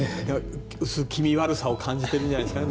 薄気味悪さを感じてるんじゃないですかね